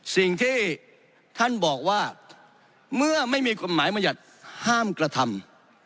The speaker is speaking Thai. สิ่งที่ท่านบอกว่าเมื่อไม่มีกฎหมายมัญญัติห้ามกระทำ